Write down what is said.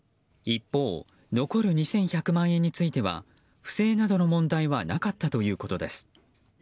一方残る２１００万円については不正などの問題はなかったということです。